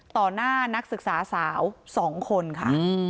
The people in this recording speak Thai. ต่อหน้านักศึกษาสาวสองคนค่ะอืม